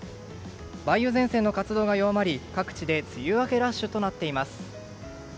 梅雨前線の活動が弱まり、各地で梅雨明けラッシュとなっています。